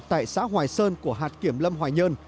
tại xã hoài sơn của hạt kiểm lâm hoài nhơn